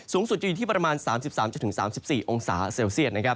สูงสุดจะอยู่ที่ประมาณ๓๓๔องศาเซลเซียต